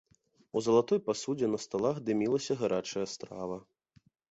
У залатой пасудзе на сталах дымілася гарачая страва.